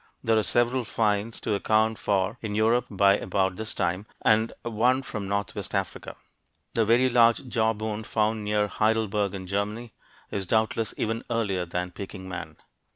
There are several finds to account for in Europe by about this time, and one from northwest Africa. The very large jawbone found near Heidelberg in Germany is doubtless even earlier than Peking man.